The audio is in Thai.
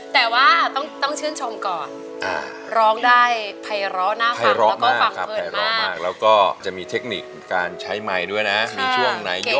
แต่ว่าที่เราต้องชื่นร้องได้